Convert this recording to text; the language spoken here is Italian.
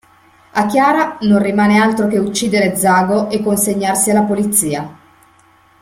A Chiara non rimane altro che uccidere Zago e consegnarsi alla polizia.